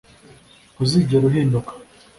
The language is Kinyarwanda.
ntuzigera uhinduka